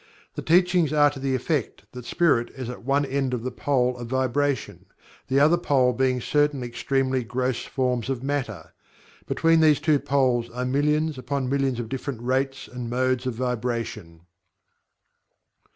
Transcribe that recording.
The Teachings are to the effect that Spirit is at one end of the Pole of Vibration, the other Pole being certain extremely gross forms of Matter. Between these two poles are millions upon millions of different rates and modes of vibration.